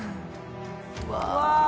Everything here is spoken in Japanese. うわ。